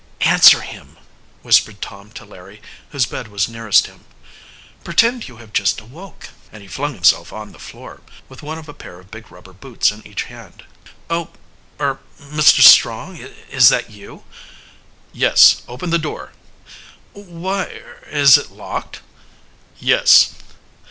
"Answer him!" whispered Tom to Larry, whose bed was nearest him. "Pretend you have just awoke," and he flung himself on the floor, with one of a pair of big rubber boots in each hand. "Oh er Mr. Strong, is that you?" "Yes, open the door." "Why er is it locked? "Yes."